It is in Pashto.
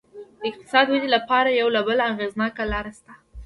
د اقتصادي ودې لپاره یوه بله اغېزناکه لار شته.